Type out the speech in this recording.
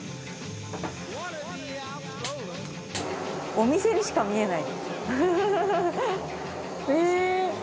お店にしか見えない。